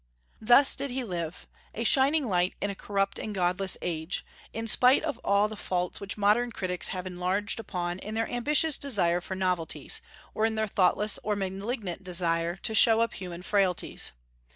Thus did he live, a shining light in a corrupt and godless age, in spite of all the faults which modern critics have enlarged upon in their ambitious desire for novelties, or in their thoughtless or malignant desire? to show up human frailties.